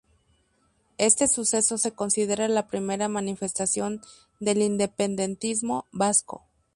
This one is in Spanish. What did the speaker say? Este suceso se considera la primera manifestación del independentismo vasco.